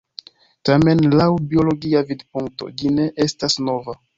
Tamen, laŭ biologia vidpunkto, ĝi ne estas nova.